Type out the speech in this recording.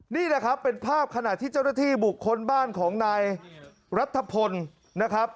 นี่แหละครับเป็นภาพขณะที่เจ้าหน้าที่บุคคลบ้านของนายรัฐพลนะครับ